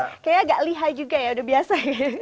kayaknya agak lihai juga ya udah biasa